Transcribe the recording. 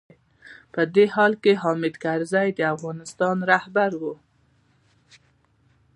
په همدې حال کې حامد کرزی د افغانستان رهبر و.